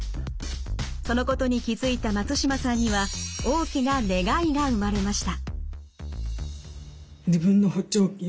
そのことに気付いた松島さんには大きな願いが生まれました。